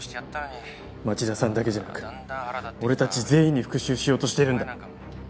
町田さんだけじゃなく俺たち全員に復讐しようとしてるんだ。